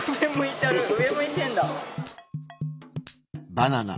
バナナ。